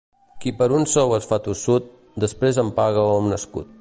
Qui per un sou es fa tossut, després en paga un escut.